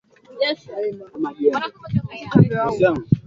Nyumba za wamasai zinapakwa kinyesi cha ngombe ili kuzuia mvua isiingie ndani